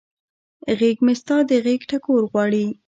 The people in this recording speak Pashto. غیږه مې ستا د غیږ ټکور غواړي